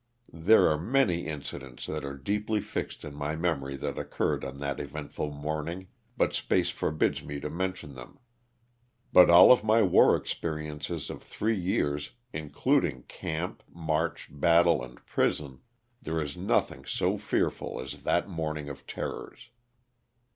There are many incidents that are deeply fixed in my memory that occurred on that eventful morning, but space forbids me to men tion them, but of all my war experiences of three years, including camp, march, battle and prison, there is nothing so fearful as that morning of terrors.